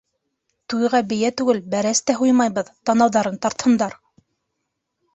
Туйға бейә түгел, бәрәс тә һуймабыҙ, танауҙарын тартһындар.